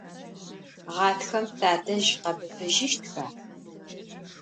Ğatxem tadej khebıbıjıştxa?